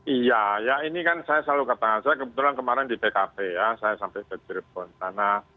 iya ini kan saya selalu ketahuan saya kebetulan kemarin di tkp ya saya sampai ke cirebon tanah